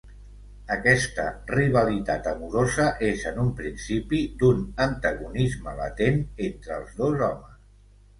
Aquesta rivalitat amorosa és en un principi d'un antagonisme latent entre els dos homes.